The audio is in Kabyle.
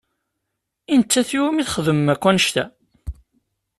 I nettat i wumi txedmem akk annect-a?